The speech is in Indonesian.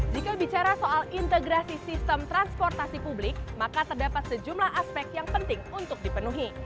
sistem transportasi publik maka terdapat sejumlah aspek yang penting untuk dipenuhi